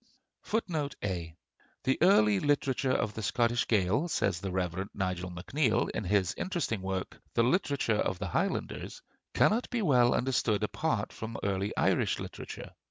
[A] "The early literature of the Scottish Gael," says the Rev. Nigel MacNeill in his interesting work 'The Literature of the Highlanders,' "cannot be well understood apart from early Irish literature.